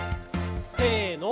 せの。